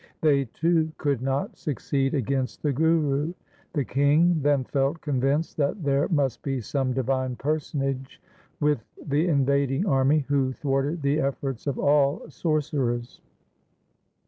They too could not succeed against the Guru. The king then felt con vinced that there must be some divine personage with the invading army who thwarted the efforts of all sorcerers.